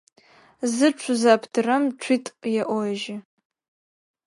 Зыцу зэптырэм цуитӏу еӏожьы.